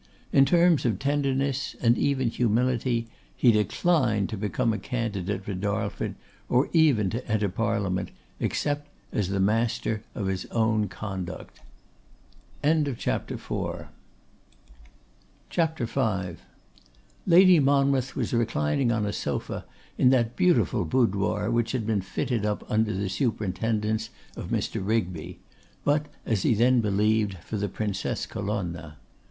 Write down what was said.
In terms of tenderness, and even humility, he declined to become a candidate for Darlford, or even to enter Parliament, except as the master of his own conduct. CHAPTER V. Lady Monmouth was reclining on a sofa in that beautiful boudoir which had been fitted up under the superintendence of Mr. Rigby, but as he then believed for the Princess Colonna.